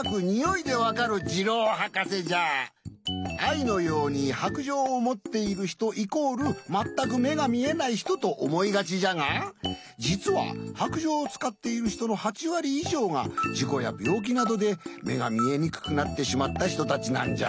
アイのように「白杖をもっているひとイコールまったくめがみえないひと」とおもいがちじゃがじつは白杖をつかっているひとの８わりいじょうがじこやびょうきなどでめがみえにくくなってしまったひとたちなんじゃ。